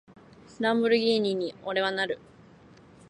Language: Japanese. ランボルギーニに、俺はなる！